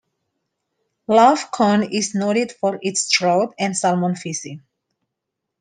Lough Conn is noted for its trout and salmon fishing.